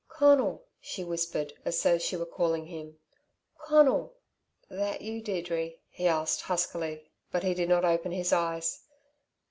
"Conal," she whispered as though she were calling him, "Conal!" "That you, Deirdre?" he asked huskily, but he did not open his eyes.